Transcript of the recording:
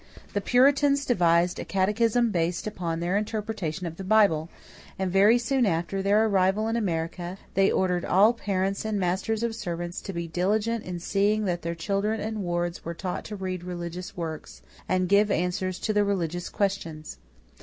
The Puritans devised a catechism based upon their interpretation of the Bible, and, very soon after their arrival in America, they ordered all parents and masters of servants to be diligent in seeing that their children and wards were taught to read religious works and give answers to the religious questions.